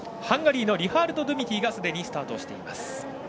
ハンガリーのリハールド・ドゥミティがすでにスタートしています。